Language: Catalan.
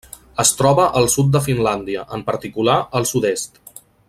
Es troba al sud de Finlàndia, en particular, al sud-est.